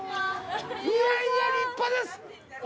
いやいや立派です。